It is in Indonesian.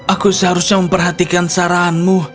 aku seharusnya memperhatikan saranmu